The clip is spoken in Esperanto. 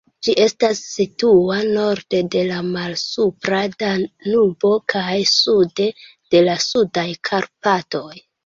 Ĝi estas situa norde de la Malsupra Danubo kaj sude de la Sudaj Karpatoj.